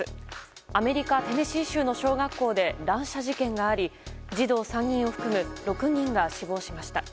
アメリカ・テネシー州の小学校で乱射事件があり児童３人を含む６人が死亡しました。